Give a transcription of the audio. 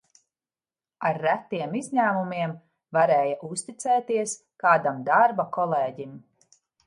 Ar retiem izņēmumiem varēja uzticēties kādam darba kolēģim.